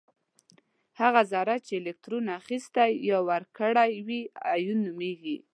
هغه ذرې چې الکترون اخیستلی یا ورکړی وي ایون نومیږي.